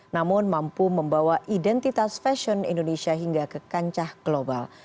namun mampu membawa identitas fashion indonesia hingga ke kancah global